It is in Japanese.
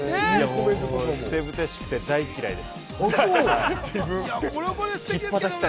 ふてぶてしくて大嫌いです。